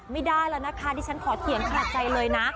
ไม่ได้แล้วนะคะดิฉันขอเถียงขนาดใจเลยนะ